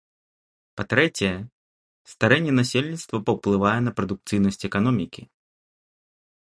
Па-трэцяе, старэнне насельніцтва паўплывае на прадукцыйнасць эканомікі.